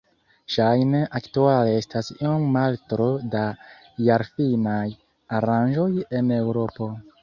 Ŝajne aktuale estas iom maltro da jarfinaj aranĝoj en Eŭropo.